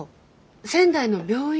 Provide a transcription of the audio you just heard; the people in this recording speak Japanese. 仙台の病院